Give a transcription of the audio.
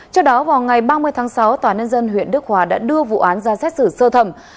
trước đó vào ngày ba mươi tháng sáu tòa nhân dân huyện đức hòa đã đưa vụ án ra xét xử sơ thẩm